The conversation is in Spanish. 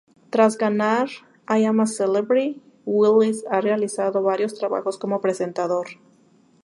Tras ganar "I'm a Celebrity...", Willis ha realizado varios trabajos como presentador.